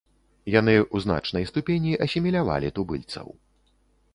Яны ў значнай ступені асімілявалі тубыльцаў.